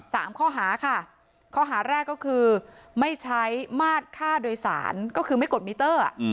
สามข้อหาค่ะข้อหาแรกก็คือไม่ใช้มาตรค่าโดยสารก็คือไม่กดมิเตอร์